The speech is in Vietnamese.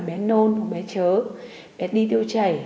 bé nôn bé chớ bé đi tiêu chảy